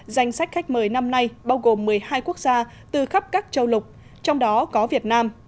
danh sách khách mời năm nay bao gồm một mươi hai quốc gia từ khắp các châu lục trong đó có việt nam